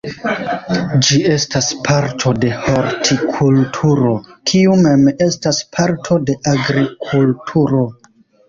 Ĝi estas parto de hortikulturo, kiu mem estas parto de agrikulturo.